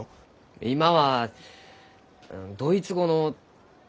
今はドイツ語の。